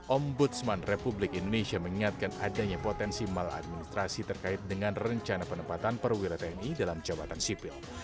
ombudsman republik indonesia mengingatkan adanya potensi maladministrasi terkait dengan rencana penempatan perwira tni dalam jabatan sipil